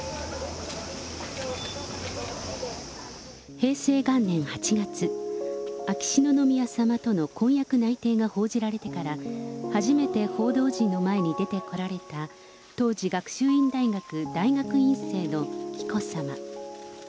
平成元年８月、秋篠宮さまとの婚約内定が報じられてから、初めて報道陣の前に出てこられた、当時学習院大学大学院生の紀子さま。